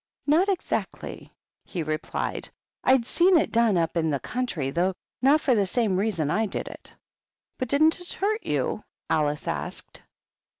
"Not exactly," he replied; "I'd seen it done up in the country, though not for the same reason I did it." "But didn't it hurt you?" Alice asked.